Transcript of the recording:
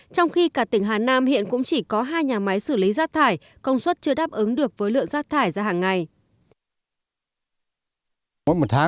trong khi cả tỉnh hà nam hiện cũng không có tỉnh